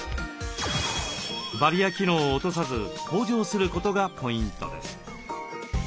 バリア機能を落とさず向上することがポイントです。